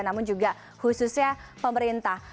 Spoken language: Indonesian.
namun juga khususnya pemerintah